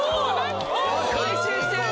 回収してる！